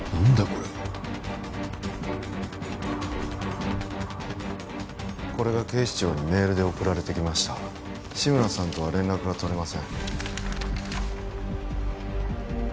これはこれが警視庁にメールで送られてきました志村さんとは連絡が取れません